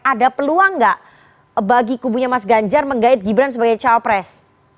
ada peluang nggak bagi kubunya mas ganjar menggait gibran sebagai cawapres